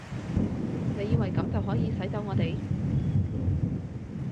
你以為噉就可以使走我哋？